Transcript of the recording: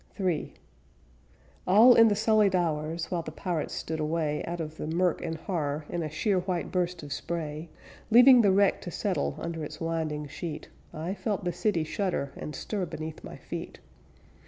III All in the sullied hours, While the pirates stood away Out of the murk and horror In a sheer white burst of spray, Leaving the wreck to settle Under its winding sheet, I felt the city shudder And stir beneath my feet.